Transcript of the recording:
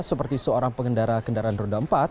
seperti seorang pengendara kendaraan roda empat